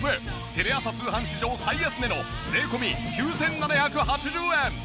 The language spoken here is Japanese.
テレ朝通販史上最安値の税込９７８０円。